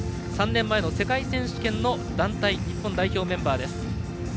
３年前の世界選手権の団体日本代表メンバーです。